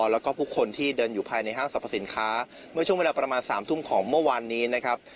แล้วก็ผู้คนที่เดินอยู่ภายในห้างสรรพสินค้าเมื่อช่วงเวลาประมาณ๓ทุ่มของเมื่อวานนี้นะครับ